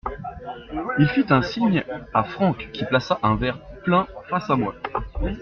Il fit un signe à Franck qui plaça un verre plein face à moi.